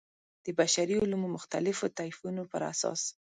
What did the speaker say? د بشري علومو مختلفو طیفونو پر اساس.